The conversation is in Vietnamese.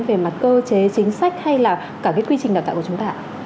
về mặt cơ chế chính sách hay là cả cái quy trình đào tạo của chúng ta